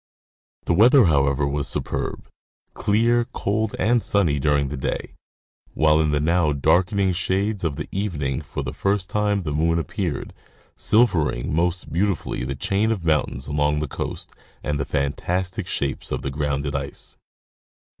The weather, however, was superb, clear, cold, and sunny, during the day, while in the now darkening shades of the evening for the first time the moon appeared, silvering most beautifully the chain of mountains along the coast and the fantastic shapes of the grounded ice.